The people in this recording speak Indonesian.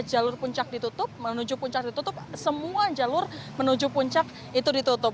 jalur puncak ditutup menuju puncak ditutup semua jalur menuju puncak itu ditutup